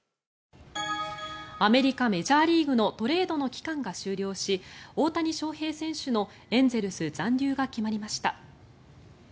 アメリカ・メジャーリーグのトレードの期間が終了し大谷翔平選手のエンゼルス残留が決まりました。